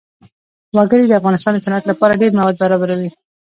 وګړي د افغانستان د صنعت لپاره ډېر مواد برابروي.